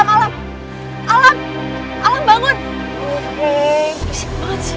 hmm mungkin dia tidak pernah mengingatkan dengan ke ledakking harus keluar dari sini